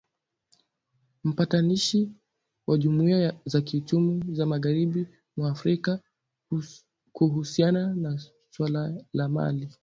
Mpatanishi wa jumuia za kiuchumi za magahribi mwa Afrika kuhusiana na suala la Mali